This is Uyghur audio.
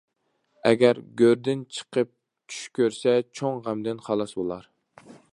ئەگەر گۆردىن چىقىپ چۈش كۆرسە، چوڭ غەمدىن خالاس بولار.